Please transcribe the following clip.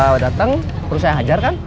kalau dia dateng perlu saya hajar kan